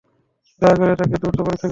দয়া করে তাকে দ্রুত পরীক্ষা করুন।